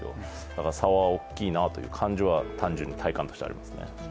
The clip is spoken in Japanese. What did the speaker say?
だから差は大きいなと単純に体感としてありますね。